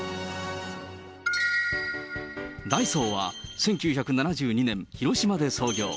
ダイソーは１９７２年、広島で創業。